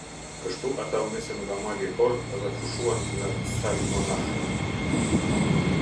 Kështu ata u nisën nga mali Hor dhe fushuan në Tsalmonah.